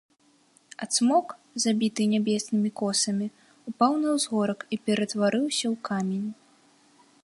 А цмок, забіты нябеснымі косамі, упаў на ўзгорак і ператварыўся ў камень.